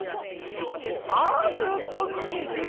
まずこんにちは。